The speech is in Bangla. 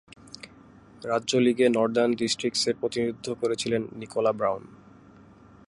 রাজ্য লীগে নর্দার্ন ডিস্ট্রিক্টসের প্রতিনিধিত্ব করছেন নিকোলা ব্রাউন।